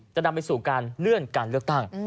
จะนำไปสู่การเลื่อนการเลือกตั้ง